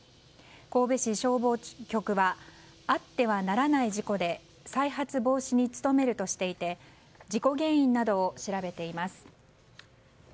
神戸市消防局はあってはならない事故で再発防止に努めるとしていて事故原因などを調べています。